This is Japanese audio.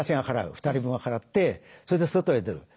２人分払ってそれで外へ出る。